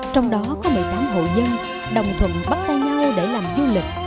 trong đó có một mươi tám hộ dân đồng thuận bắt tay nhau để làm du lịch